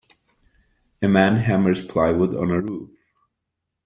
A man hammers plywood on a roof.